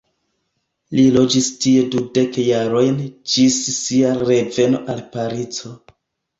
Li loĝis tie dudek jarojn ĝis sia reveno al Parizo.